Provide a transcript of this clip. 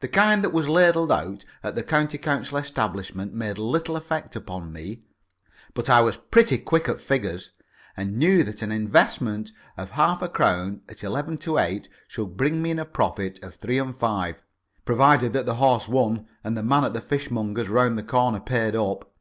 The kind that was ladled out at the County Council establishment made little effect upon me. But I was pretty quick at figures, and knew that an investment of half a crown at eleven to eight should bring me in a profit of three and five provided that the horse won and the man at the fishmonger's round the corner paid up.